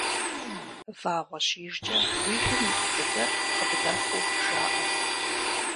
Вагъуэ щижкӏэ уи гум ибубыдэр къыбдэхъуу жаӏэр.